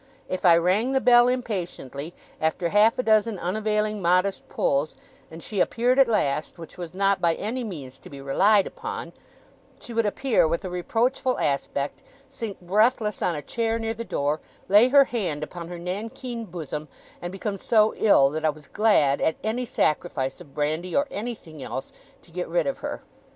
If I rang the bell impatiently, after half a dozen unavailing modest pulls, and she appeared at last which was not by any means to be relied upon she would appear with a reproachful aspect, sink breathless on a chair near the door, lay her hand upon her nankeen bosom, and become so ill, that I was glad, at any sacrifice of brandy or anything else, to get rid of her.